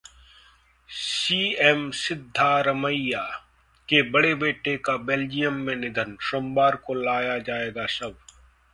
CM Siddaramaiah के बड़े बेटे का बेल्जियम में निधन, सोमवार को लाया जाएगा शव